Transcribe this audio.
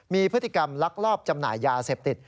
มีพฤติกรรมลักลอบจำหน่ายยาเสพติด